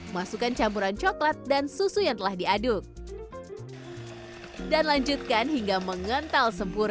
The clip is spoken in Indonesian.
masukkan campuran coklat dan susu yang telah diaduk dan lanjutkan hingga mengental sempurna